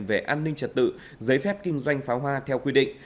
về an ninh trật tự giấy phép kinh doanh pháo hoa theo quy định